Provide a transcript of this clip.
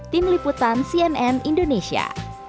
tim liputan cnn indonesia